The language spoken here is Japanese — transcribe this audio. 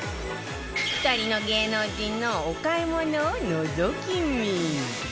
２人の芸能人のお買い物をのぞき見